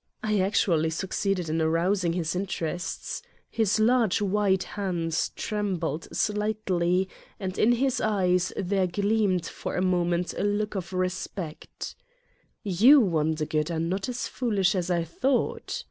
" I actually succeeded in arousing his interest: his large white hands trembled slightly and in his eyes there gleamed for a moment a look of re spect: "You, Wondergood, are not as foolish as I thought!"